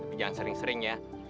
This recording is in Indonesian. tapi jangan sering sering ya